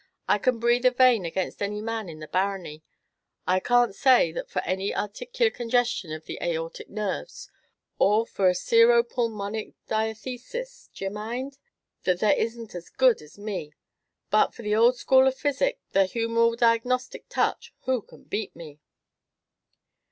"I can breathe a vein against any man in the barony. I can't say, that for any articular congestion of the aortic valves, or for a sero pulmonic diathesis d'ye mind? that there isn't as good as me; but for the ould school of physic, the humoral diagnostic touch, who can beat me?"